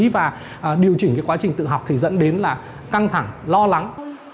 và điều chỉnh quá trình tự học thì dẫn đến là căng thẳng lo lắng